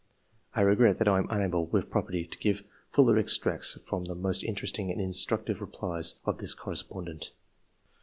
[I regret that I am unable, with propriety, to give fuller extracts from the most interesting and instructive replies of this correspondent.